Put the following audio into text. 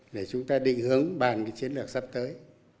để chúng ta định hướng bàn cái chiến lược sắp tới